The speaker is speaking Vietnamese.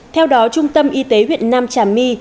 theo đó trung tâm y tế huyện nam trà my